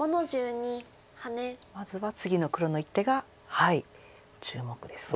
まずは次の黒の一手が注目ですね。